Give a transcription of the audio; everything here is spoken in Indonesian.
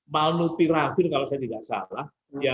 malnupiravir kalau saya tidak salah